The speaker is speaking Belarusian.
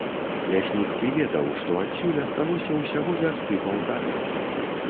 Лясніцкі ведаў, што адсюль асталося ўсяго вярсты паўтары.